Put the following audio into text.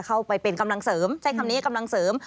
เข้าไปเป็นกำลังเสริมใช้คำนี้กำลังเสริม